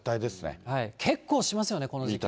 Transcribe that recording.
結構しますよね、この時期。